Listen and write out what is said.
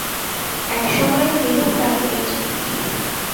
এক সময়ে দিলুম তাকে কেটে।